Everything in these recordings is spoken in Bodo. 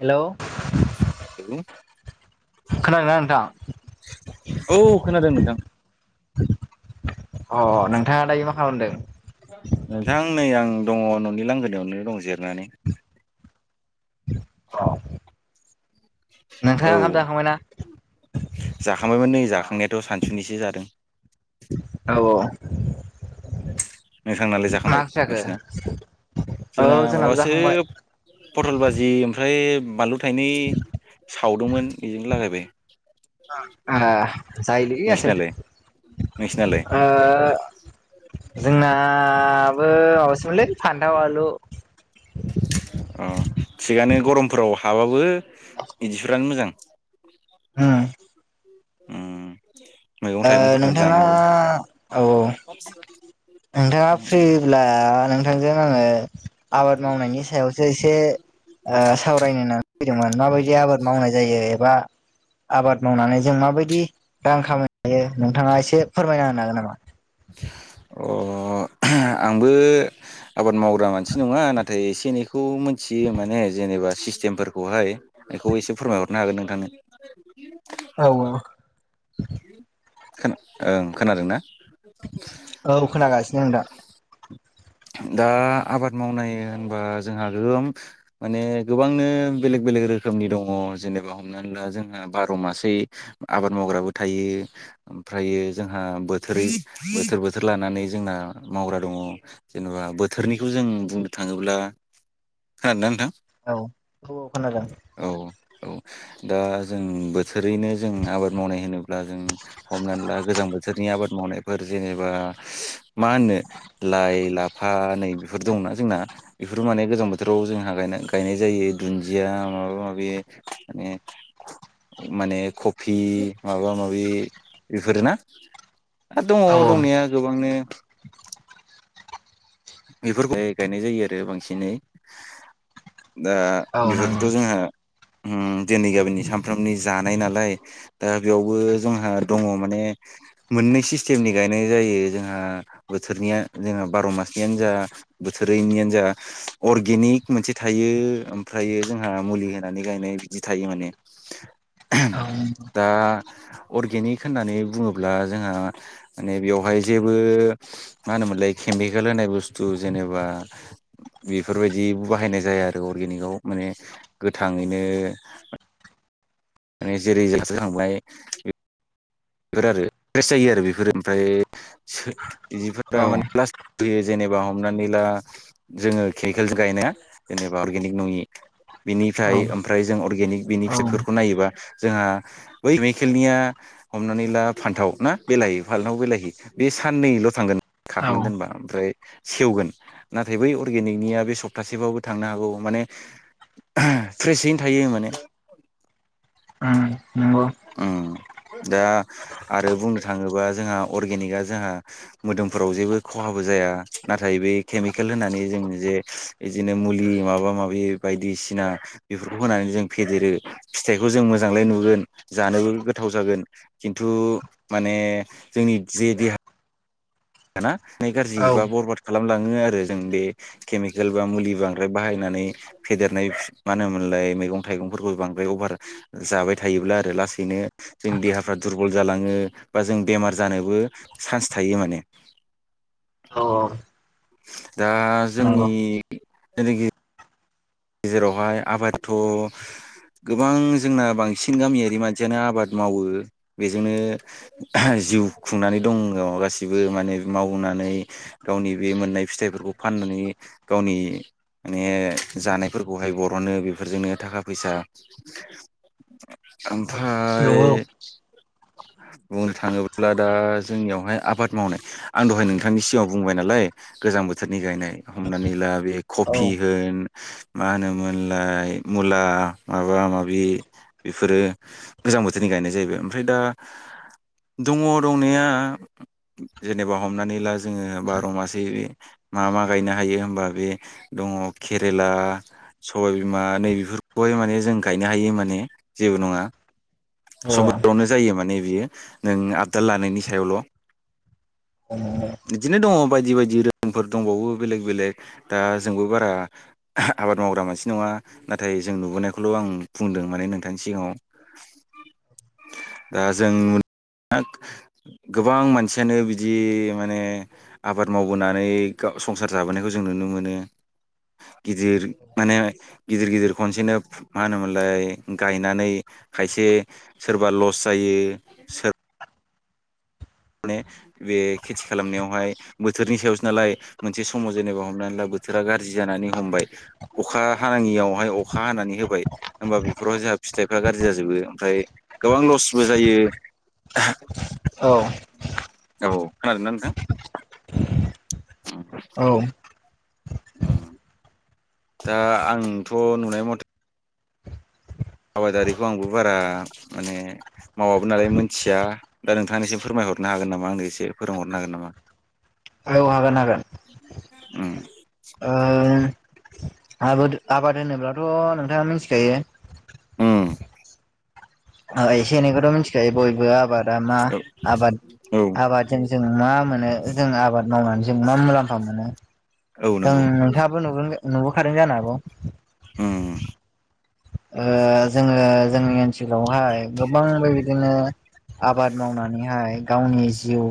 हेल' [unintelligible] खोनादोंना नोंथां औ खोनादों नोंथां अ नोंथाङा दायो मा खालामदों। नोंथां नै आं दङ न'नि लांगोनायावनो दं जिरनानै। अह औ नोंथाङा ओंखाम जाखांबायना? जाखांबायमोन नै जाखांनायाथ' सानसुनिसो जादों। औ नोंथांनालाय मा जाखांबाय ओंख्रि जाखो नोंसिना जोंना औ जोंनाबो माबासो जाखांबाय पटल बाजि ओमफ्राय बानलु थाइनै सावदोंमोन बेजोंनो लागायबाय ओ जायोलै आसोल नोंसिनालाय नोंसिनालाय ओ जोंनाबो माबासोमोनलै फान्थाव आलु अह थिगानो गरमफोराव हाबाबो बिदिफोरानो मोजां उम उम मैगं ओह थाइगंफोरखौनो नोंथाङा जानांगौ औ औ नोंथाङा फ्रिब्ला नोंथांजों आङो आबाद मावनायनि सायावसो एसे ओह सावरायनो होननानै फैदोंमोन माबायदि आबाद मावनाय जायो एबा आबाद मावनानै जों माबायदि रां खामायनो हायो नोंथाङा एसे फोरमायना होनो हागोन नामा। अह आंबो आबाद मावग्रा मानसि नङा नाथाय एसे एनैखौ मिनथियो माने जेनेबा सिस्टेमफोरखौहाय बेखौ एसे फोरमायहरनो हागोन नोंथांनो औ ओह खोना ओं खोनादोंना औ खोनागासिनो आं दा दा आबाद मावनाय होनबा जोंहा गोगोम माने गोबांनो बेलेग बे बेलेग रोखोमनि दङ जेनेबा हमनानै ला जोंहा बार' मासै आबाद मावग्राबो थायो। ओमफ्रायो जोंहा बोथोरै बोथोर बोथोर लानानै जोंना मावग्रा दङ। जेनेबा बोथोरनिखौ जों बुंनो थाङोब्ला खोनादोंना नोंथां औ औ औ खोनादों। औ औ दा जों बोसोरैनो जों आबाद मावनाय होनोब्ला जों हमनानै ला गोजां बोथोरनि आबाद मावनायफोर जेनेबा मा होननो लाय लाफा नै बेफोर दंना जोंना बेफोर माने गोजां बोथोराव जोंहा गायना गायनाय जायो दुन्दिया मा माबा माबि माने माने कफि माबा माबि बेफोर ना। आरो दङ औ दंनाया गोबांनो बेफोर फोरखौहाय गायनाय जायो आरो बांसिनै दा औ नंगौ बेफोरखौथ' जोंहा उम दिनै गामिनि सानफ्रामोमनि जानाय नालाय दा बेयावबो जोंहा दङ माने मोननै सिस्टेमनि गायनाय जायो जोंहा बोथोरनिया जोंहा बार' मास नो जा बोथोरैनियानो जा अर्गेनिक मोनसे थायो ओमफ्रायो जोंहा मुलि होनानै गायनाय बिदि थायो माने औ दा अर्गेनिक होननानै बुङोब्ला जोंहा माने बेवहाय जेबो मा होनोमोनलाय खेमि खेल होनाय बुस्थु जेनेबा बेफोरबायदि बाहायनाय जाया आरो अर्गेनिकआव माने गोथाङैनो माने जेरै जाल्सो थांबाय बेफोर आरो फ्रेस जायो आरो बेफोरो ओमफ्राय औ बिदिफोरा माने लास फयो जेनेबा हमनानै ला जोङो केकोल गायनाया जेनेबा अर्गेनिक नङि बिनिफ्राय ओमफ्राय जों अर्गेनिक बिनि औ फिसाइफोरखौ नायोबा जोंहा बै केमिकेलनिया हमनानै ला फान्थाव ना बेलाहि फालथाव बेलाहि बे साननैल' थांगोन औ खाखोननानै दोनबा ओमफ्राय सेवगोन नाथाय बै अर्गेनिकनिया बे सप्तासेबाबबो थांनो हागौ माने फ्रेसैनो थायो माने उ नंगौ उम दा आरो बुंनो थाङोबा जोंहा अर्गेनिकआ जोंहा मोदोमफोराव जेबो खहाबो जा जाया नाथाय बे केमिकेल होननानै जों जे बिदिनो मुलि माबा माबि बायदिसिना सिना बेफोरखौ होनानै जों फेदेरो फिथाइखौ जों मोजांलाय नुगोन जानोबो गोथाव जागोन खिन्थु माने जोंनि जे देहा होना ना गाज्रि औ बा बरबाद खालामलाङो आरो जों बे केमिकेल बा मुलि बांद्राय बाहायनानै फेदेरनाय मा होन लाय गैगं थाइगंफोरखौ बांद्राय अभार जाबाय थायोब्ला आरो लासैनो जोंनि देहाफोरा दुरबल जालांङो लाङो बा जों बेमार जानोबो सानस थायो माने औ दा नंगौ नंगौ जोंनि सोरगिदिं गेजेरावहाय आबादथ' गोबां जोंना बांसिन गामियारि मानसियानो आबाद मावो बेजोंनो आ जिउ खुंनानै दङ गासिबो माने मावनानै गावनि बे मोननाय फिथाइफोरखौ फान नानै गावनि माने जानाय फोरफोरखौहाय बरनो बेफोरजोंनो थाखा फैसा औ आमफ्राय औ बुंनो थाङोब्ला दा जोंनियावहाय आबाद मावनाय आं दहाय नोंथांनि सिगाङाव बुंबाय नालाय गोजां बोथोरनि गायनाय हमनानै ला बे औ कफि होन मा होनोमोनलाय मुला माबा माबि बेफोरो गोजां बोथोरनि गायनाय जाहैबाय ओमफ्राय दा [unintelligible] दङ दंनाया जेनेबा हमनानै ला जोङो बार' मासे मा मा गायनो हायो होनबा बे दङ केरेला सबायबिमा नैबेफोरखौहाय माने जों गायनो हायो माने जेबो नङा हागोन सावनो जायो मा नै बियो नों आबदाल लानायनि सायावल' अ [inaudible] बिदिनो दङ बायदि बायदि रोंफोर दंबावो बेलेग बेलेग दा जोंबो बारा आ आबाद मावग्रा मानसि नङा नाथाय जों नुबोनायखौल' आं बुंदों माने नोंथांनि सिगाङाव औ दा जों गोबां मानसियानो बिदि माने आबाद मावबोनानै संसार जाबोनायखौ जों नुनो मोनो गिदिर माने गिदिर गिदिर खनसेनो मा होनोमोनलाय गायनानै खायसे सोरबा लस जायो, सोर माने बे खेथि खालामनायावहाय बोथोरनि सायावसो नालाय मोनसे समाव जेनेबा हमनानै लाबो बोथोरा गाज्रि जानानै हमबाय अखा हानायाङियावहाय अखा हानानै होबाय होमबा बेफोराव जाह फिथाइफ्रा गाज्रि जाजोबो ओमफ्राय गोबां लसबो जायो औ औ, खोनादोंना नोंथां? औ दा, आंथ' नुनाय मथे आबादारिखौ आंबो बारा माने मावाबो नालाय मोनथिया, दा नोंथांनिसिम फोरमाय हरनो हागोन नामा, आंनो एसे फोरोंहरनो हागोन नामा? [inaudible] औ हागोन-हागोन मम आबाद, आबाद होनोब्लाथ' नोंथाङा मोन्थिखायो। ओम एसे एनैखौथ मिथिखायो बयबो आबादा मा? औ आबाद औ आबादजों जों मा मोनो? जों आबाद मावनानै जों मा मुलाम्फा मोनो? औ जों नंगौ नोंथाङाबो नुगोन नुबोखादों जानो हाबौ ओम जोङो, जोंनि ओनसोलावहाय गोबां बेबायदिनो आबाद मावनानैहाय गावनि जिउ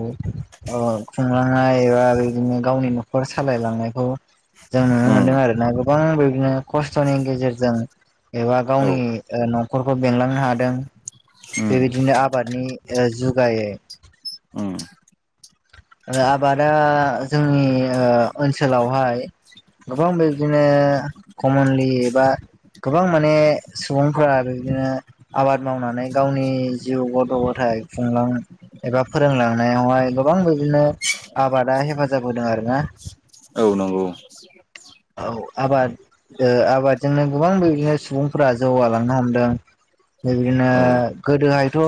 खुंलांनाय एबा बेदिनो गावनि न'खर सालायलांनायखौ जों नुनो उम मोन्दों आरो ना गोबां बेबादिनो खस्थ'नि गेजेरजों एबा औ गावनि न'खरखौ बेंलांनो हादों। उम बेबायदिनो आबादनि जुगायै [inaudible] आबादा जोंनि ओनसोलावहाय गोबां बेबादिनो कमनलि एबा गोबां माने सुबुंफोरा बिबदिनो आबाद मावनानै गावनि जिउ गथ' गथाइ एबा फोरोंलांनायावहाय गोबां बिदिनो आबादा हेफाजाब होदों आरोना औ, नंगौ औ आबाद आबादजोंनो गोबां बेबादिनो सुबुंफोरा जौगालांनो हमदों। बिबायदिनो औ गोदोहायथ'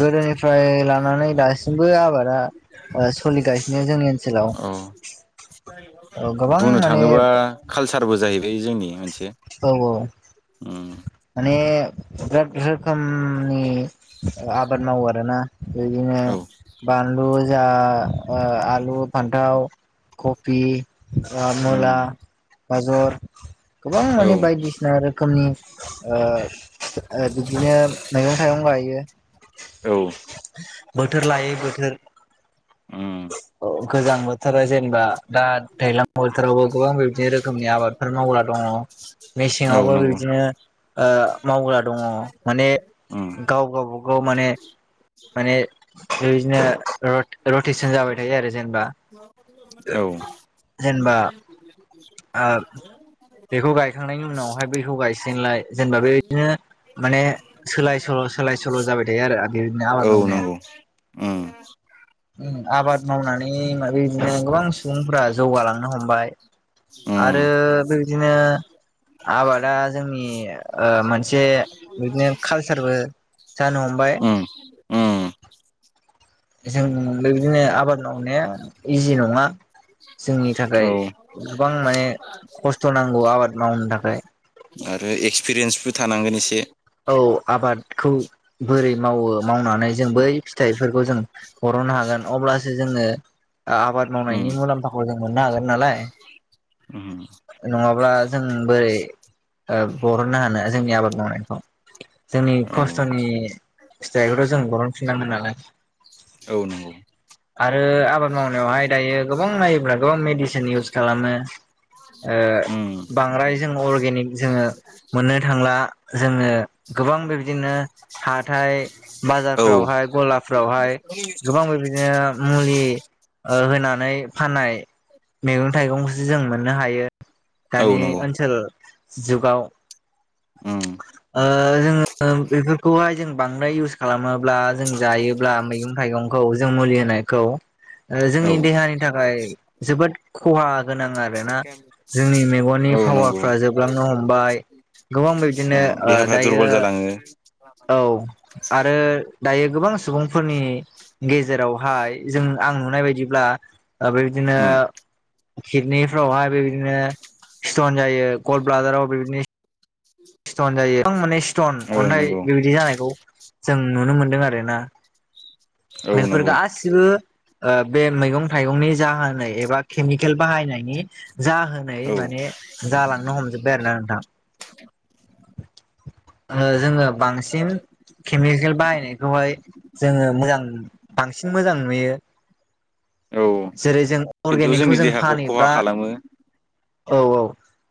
गोदोनिफ्राय लानानै दासिमबो आबादा सोलिगासिनो जोंनि औ औ गोबां बुंनो माने थाङोबा कालसारबो जाहैबाय जोंनि मोनसे औ औ उम माने बिराद रोखोमनि आबाद मावो आरोना बेदिनो औ बानलु जा आलु, फान्थाव, कफि मुला, उम गाजर गोबां औ माने बायदिसिना रोखोमनि ऐ बिदिनो मैयगं-थाइगं गायो। औ। बोथोर लायै बोथोर। उम [inaudible] औ गोजां बोथोरा जेनेबा दा, दैज्लां बोथोरावबो गोबां बेबादि रोखोमनि आबादफोर मावग्रा दं। अ मेसें औ यावबो नंगौ बिब्दिनो मावग्रा दङो। माने उम गाव गावबागाव माने माने बेबायदिनो [unintelligible] थायो आरो जेनेबा औ जेनेबा [inaudible] बेखौ गायखांनायनि उनावहाय बैखौ गायसिगोनलाय जेनेबा बिदिनो माने सोलाय सोल' सोलाय सोल' जाबाय थायो आरो आबादारिनि औ आबाद मावनाया। नंगौ उम उम आबाद मावनानै माबे बिदिनो गोबां सुबुंफोरा जौगालांनो हमबाय । आरो उम बेबायदिनो आबादा जोंनि ओ मोनसे बिदिनो कालसारबो। जानो हमबाय ओम जों बेबायदिनो आबाद मावनाया इजि नङा। जोंनि औ थाखाय गोबां माने खस्थ' नांगौ आबाद मावनो थाखाय । आरो एक्सपिरियेन्सबो थानांगोन एसे। औ आबादखौ बोरै मावो मावनानै जों बै फिथाइफोरखौ जों बरननो हा गोन अब्लासो जोङो आबाद उम मावनायनि मुलाम्फाखौ जों मोननो हागोन नालाय । उम नङाब्ला जों बोरै ओ बरननो हानो जोंनि आबाद मावनायखौ। जोंनि औ खस्थ'नि फिथाइखौथ' जों बरन फिननांगोन नालाय। औ नंगौ आरो आबाद मावनायावहाय दायो गोबां नायोब्लाथ' मेडिसिन इउस खालामो। ओ उम बांद्राय जोंङो अर्गेनिक जोङो मोननो थांला जोंङो गोबां बेबदिनो हाथाय औ बाजारफ्रावहा गलाफ्रावहाय गोबां बेबायदिनो मुलि ओ होनानै फाननाय मैगं-थाइगंखौसो जों मो ननो हायो औ दानि नंगौ ओनसोल जुगाव। उम ओ जोंङो बेफोरखौहाय जों बांद्राय इउस खालामोब्ला जों जायोब्ला मैगं-थाइगं खौ जों मुलि होनायखौ ओ औ जोंनि देहानि थाखाय जोबोद खहा गोनां आरो। दाना जोंनि मेगननि औ नंगौ पावारफ्रा जोबलांनो हमबाय गोबां [unintelligible] बिदिनो औ ओ देहाफ्रा दायो दुरबल जालाङो औ आरो दायो गोबां सुबुंफोरनि गेजेरावहाय जों आं नुनाय बायदिब्ला ओ बिदिनो उम खिडनि फ्रावहाय बेबायदिनो स्टन जायो गल ब्लादाराव बेबायदिनो स्टन जायो । [unintelligible] माने स्टन औ अन्थाइ नंगौ बेबायदि जानायखौ जों नुनो मोनदों आरोना औ । बेफोर नंगौ गासिबो ओ बे मैगं-थाइगंनि जाहोनै एबा केमिकेल बाहायनायनि जाहोनै औ माने जालांनो हमजोबबाय आरो ना नोंथां। ओ जोंङो बांसिन केमिकेल बाहायनायखौहाय जोंङो मोजां बांसिन मोजां नुयो। औ जेरै जों खिन्थु अर्गेनिकखौ जोंनि जों देहाखौ खहा फानहैब्ला खालामो औ औ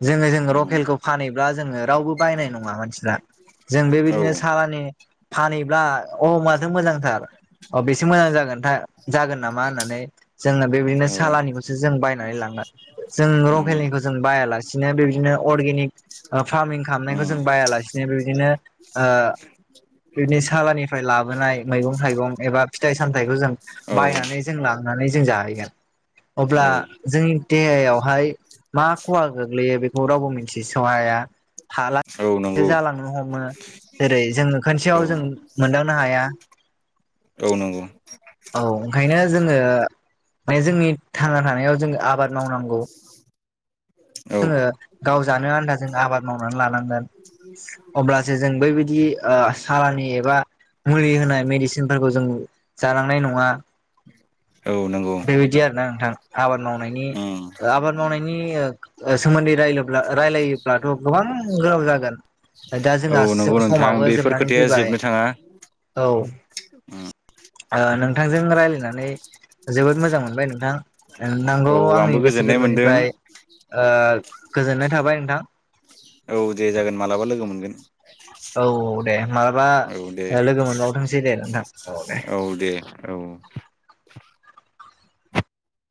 जोंङो जों उम लकेलखौ फानहैब्ला जोंङो रावबो बायनाय नङा मानसिफ्रा । जों औ बेबायदिनो सालानि फानहैब्ला अ माथो मोजांथार अ बेसो मोजां जागोनथां जागोन नामा होननानै जोंनो बेबायदिनो औ सालानिखौसो जों बायनानै लांङो। जों उम लकेलनिखौ जों बायालासिनो बेबायदिनो अर्गेनिक ओ फारमिं खामनायखौ उम जों बायालासिनो बेबायदिनो ओ बिदिनो सालानिफ्राय लाबोनाय मैगं थाइगं एबा फिथाइ सामथायाइखौ जों औ बायनानै जों लां नानै जों जाहैगोन। अब्ला औ जोंनि देहायावहाय मा खहा गोग्लैयो बेखौ रावबो मिथिसहाया हाला औ यै नंगौ जालांनो हमो जेरै जोङो खोनसेयाव औ जों मोनदांनो हाया। [inaudible] गौ नंगौ। औ ओंखायनो जोंङो माने जोंनि थांना थानायाव जों आबाद मावनांगौ औ जोंङो गाव जानो आनदा जों आबाद मावनानै लानांगोन अब्लासो जों बैबायदि सारानि एबा मुलि होनाय मेडिसिनफोरखौ जों जालांनाय नङा नंगौ बेबायदि आरो ना नोंथां आबाद मावनायनि उम आबाद मावनायनि सोमोन्दै र रायलायोब्लाथ गोबां गोलाव जागोन दा औ जोंहा नंगौ नोंथां समाबो बेफोर जोबनानै खोथाया फैबाय जोबनो थाङा औ नोंथांजों रायज्लायनानै जोबोद मोजां मोनबाय नोंथां नगौ औ आंबो आंनि गोसो गोजोननाय मोनदों गोरबोनिफ्राय ओ गोजोननाय थाबाय नोंथां औ दे जागोन मालाबा लोगो मोनगोन औ औ दे मालाबा औ दे लोगो मोनबावथोंसै दे नोंथां औ दे औ दे औ